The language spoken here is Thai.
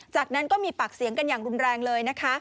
จากนั้นก็มีปากเสียงกันอย่างรุนแรงเลยนะคะ